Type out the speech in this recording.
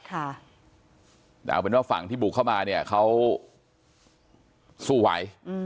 แต่เอาเป็นว่าฝั่งที่บุกเข้ามาเนี่ยเขาสู้ไหว